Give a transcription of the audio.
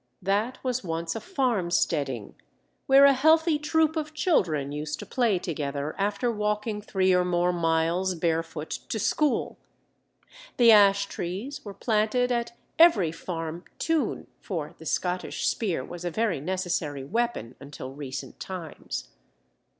That was once a farm steading, where a healthy troop of children used to play together after walking three or more miles barefoot to school. The ash trees were planted at every farm "toon," for the Scottish spear was a very necessary weapon until recent times.